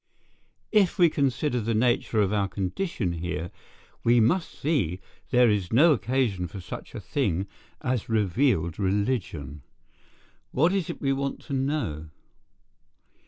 If we consider the nature of our condition here, we must see there is no occasion for such a thing as revealed religion. What is it we want to know?